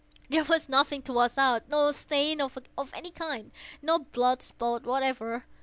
There was nothing to wash out—no stain of any kind—no blood spot whatever.